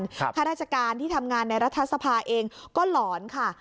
ข้าราชการที่ทำงานในรัฐสภาเองก็หลอนค่ะ